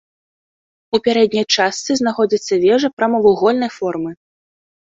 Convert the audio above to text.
У пярэдняй частцы знаходзіцца вежа прамавугольнай формы.